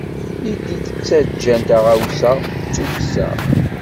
I d-ittaǧǧan taɣawsa, d tukksa.